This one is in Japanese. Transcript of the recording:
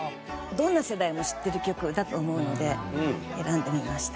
どんな世代も知ってる曲だと思うので選んでみました。